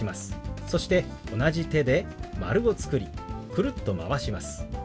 そして同じ手で丸を作りくるっとまわします。